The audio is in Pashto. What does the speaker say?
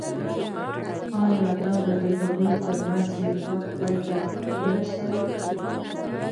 آيا دا به د هغوي تر منځ نفاق پاي ته ورسوي.